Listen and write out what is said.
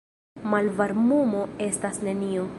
Malvarmumo estas nenio.